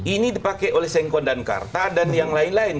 ini dipakai oleh sengkon dan karta dan yang lain lain